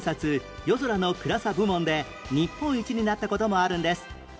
夜空の暗さ部門で日本一になった事もあるんです